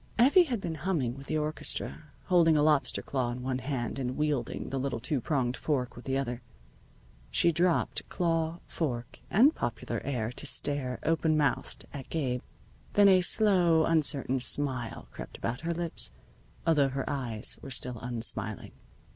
Effie had been humming with the orchestra, holding a lobster claw in one hand and wielding the little two pronged fork with the other. She dropped claw, fork, and popular air to stare open mouthed at Gabe. Then a slow, uncertain smile crept about her lips, although her eyes were still unsmiling.